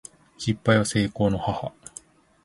失敗は成功の母